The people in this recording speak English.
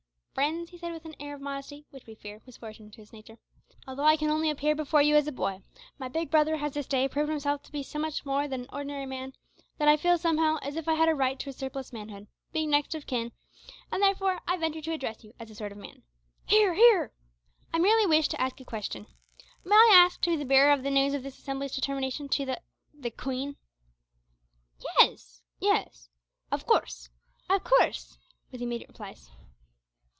"Friends," he said, with an air of modesty, which, we fear, was foreign to his nature, "although I can only appear before you as a boy, my big brother has this day proved himself to be so much more than an ordinary man that I feel somehow as if I had a right to his surplus manhood, being next of kin, and therefore I venture to address you as a sort of man." (Hear, hear!) "I merely wish to ask a question. May I ask to be the bearer of the news of this assembly's determination to the the Queen?" "Yes yes of course av course," were the immediate replies.